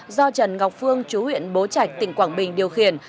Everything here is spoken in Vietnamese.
do trần ngọc phương chú huyện bố trạch tỉnh quảng bình điều khiển